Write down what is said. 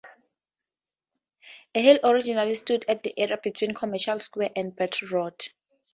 A hill originally stood at the area between Commercial Square and Battery Road.